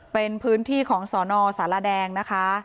เป็นพื้นที่ของสนสารแดงนะคะ